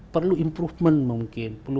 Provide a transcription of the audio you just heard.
perlu improvement mungkin perlu